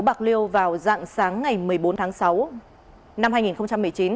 bạc liêu vào dạng sáng ngày một mươi bốn tháng sáu năm hai nghìn một mươi chín